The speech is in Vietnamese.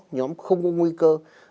nhóm không có nguy cơ